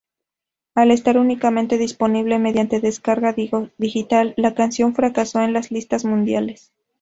Al estar únicamente disponible mediante descarga digital, la canción fracasó en las listas mundiales.